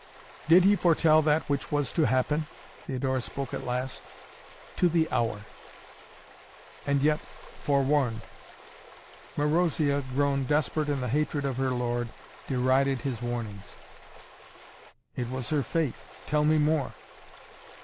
"Did he foretell that which was to happen?" Theodora spoke at last. "To the hour!" "And yet forewarned " "Marozia, grown desperate in the hatred of her lord, derided his warnings." "It was her Fate. Tell me more!"